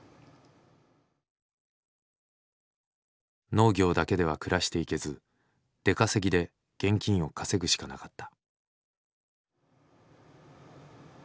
農業だけでは暮らしていけず出稼ぎで現金を稼ぐしかなかった。